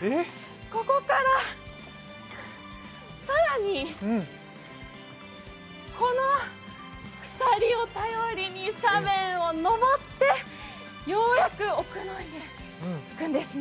ここから更に、このくさりを頼りに斜面を登ってようやく奥の院へ着くんですね。